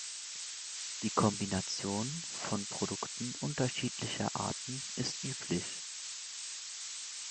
Die Kombination von Produkten unterschiedlicher Arten ist üblich.